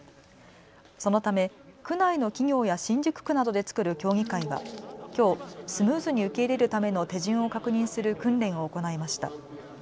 そのため区内の企業や新宿区などで作る協議会はきょうスムーズに受け入れるための手順を確認する訓練を行いました。